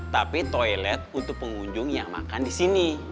tapi toilet untuk pengunjung yang makan di sini